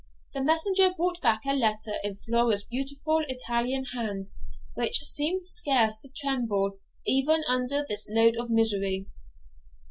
The messenger brought back a letter in Flora's beautiful Italian hand, which seemed scarce to tremble even under this load of misery.